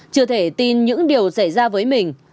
chưa thể tin những điều xảy ra với mình